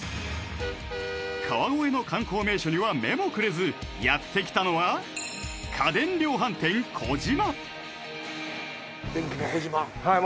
川越の観光名所には目もくれずやってきたのは家電量販店コジマ電器のコジマはい